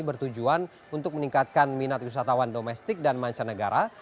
bertujuan untuk meningkatkan minat wisatawan domestik dan mancanegara